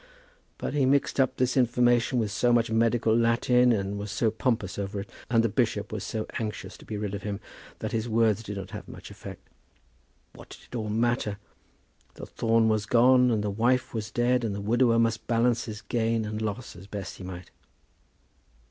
But he mixed up this information with so much medical Latin, and was so pompous over it, and the bishop was so anxious to be rid of him, that his words did not have much effect. What did it all matter? The thorn was gone, and the wife was dead, and the widower must balance his gain and loss as best he might.